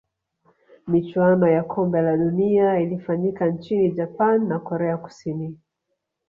michuano ya kombe la dunia ilifanyika nchini japan na korea kusini